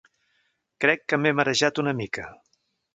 Crec que m'he marejat una mica.